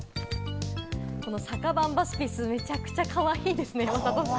このサカバンバスピス、めちゃくちゃかわいいですね、山里さん。